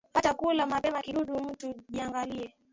Wacha kula mapema, kidudu mtu jiangalie.